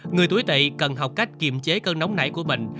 người tuổi tị cần học cách kiềm chế cơn nóng nảy của mình